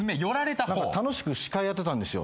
楽しく司会やってたんですよ。